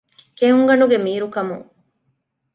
ކެއުންގަނޑުގެ މީރު ކަމުން